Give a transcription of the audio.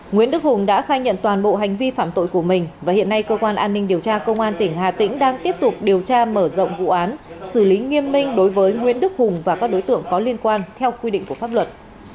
nguyễn đức hùng đã khai nhận toàn bộ hành vi phạm tội của mình và hiện nay cơ quan an ninh điều tra công an tỉnh hà tĩnh đang tiếp tục điều tra mở rộng vụ án xử lý nghiêm minh đối với nguyễn đức hùng và các đối tượng có liên quan theo quy định của pháp luật